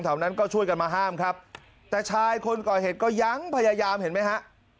แถวนั้นก็ช่วยกันมาห้ามครับแต่ชายคนก่อเหตุก็ยังพยายามเห็นไหมฮะ